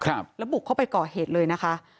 ครับแล้วบุกเข้าไปก่อเหตุเลยนะคะ